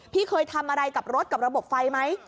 พี่เคยทำอะไรกับรถกับระบบไฟไหม